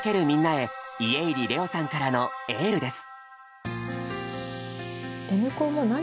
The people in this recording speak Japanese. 家入レオさんからのエールです！